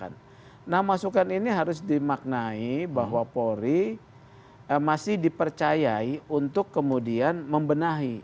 nah masukan ini harus dimaknai bahwa polri masih dipercayai untuk kemudian membenahi